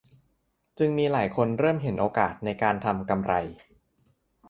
จึงมีหลายคนเริ่มเห็นโอกาสในการทำกำไร